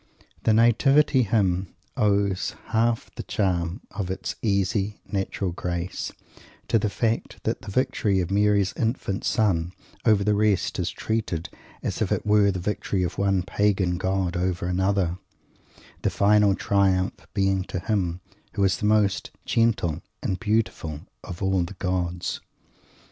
The Nativity Hymn owes half the charm of its easy, natural grace to the fact that the victory of Mary's infant son over the rest is treated as if it were the victory of one pagan god over another the final triumph being to him who is the most "gentle" and "beautiful" of all the gods.